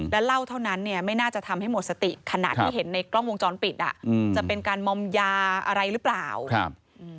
และเหล้าเท่านั้นเนี่ยไม่น่าจะทำให้หมดสติขนาดที่เห็นในกล้องวงจรปิดอะ